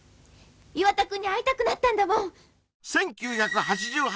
岩田君に会いたくなったんだもん！